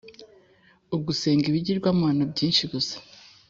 Ugusenga ibigirwamana byinshi gusa